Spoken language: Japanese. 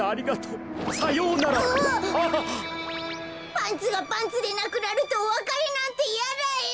パンツがパンツでなくなるとおわかれなんてやだよ！